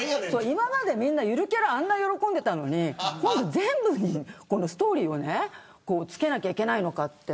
今までみんな、ゆるキャラあんなに喜んでいたのに今度、全部にストーリーを付けないといけないのかって。